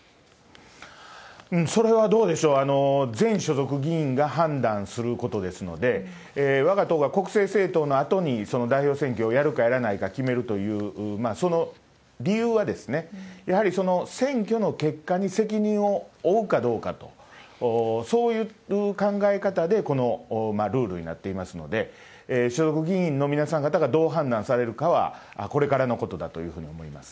それはどうでしょう、全所属議員が判断することですので、わが党が国政政党のあとにその代表選挙をやるかやらないか決めるという、その理由はやはり、その選挙の結果に責任を負うかどうかと、そういう考え方で、このルールになっていますので、所属議員の皆さん方がどう判断されるかは、これからのことだというふうに思います。